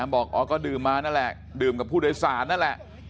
บอกอ๋อก็ดื่มมานั่นแหละดื่มกับผู้โดยสารนั่นแหละ